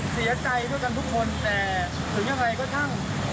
เสียใจเพื่อกับทุกคนแต่ถึงยังไงก็ทั้ง